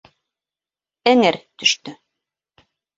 Эңер төштө.